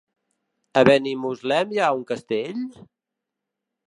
A Benimuslem hi ha un castell?